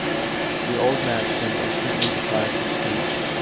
The old man seemed instantly deprived of speech.